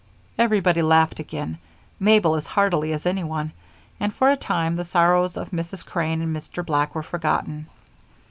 Everybody laughed again, Mabel as heartily as anyone, and, for a time, the sorrows of Mrs. Crane and Mr. Black were forgotten.